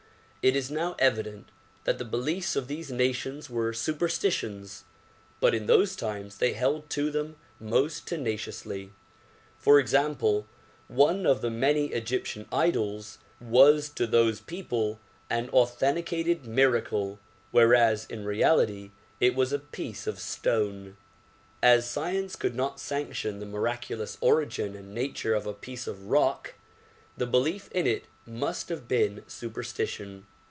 It is now evident that the beliefs of these nations were superstitions but in those times they held to them most tena ciously. For example, one of the many Egyptian idols was to those people an authenticated miracle whereas in reality it was a piece of stone. As science could not sanction the miraculous origin and nature of a piece of rock the belief in it must have been super stition.